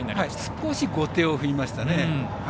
少し後手を踏みましたね。